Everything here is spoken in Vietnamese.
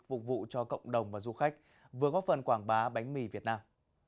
phục vụ cho cộng đồng và du khách vừa góp phần quảng bá bánh mì việt nam